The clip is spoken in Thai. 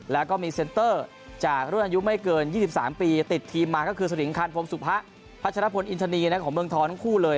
แล้วก็มีเซ็นเตอร์จากรุ่นอายุไม่เกิน๒๓ปีติดทีมมาก็คือสลิงคันพรมสุพะพัชรพลอินทนีของเมืองทองทั้งคู่เลย